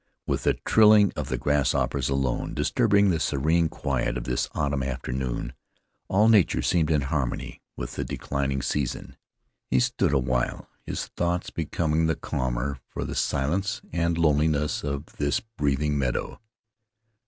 With the trilling of the grasshoppers alone disturbing the serene quiet of this autumn afternoon, all nature seemed in harmony with the declining season. He stood a while, his thoughts becoming the calmer for the silence and loneliness of this breathing meadow.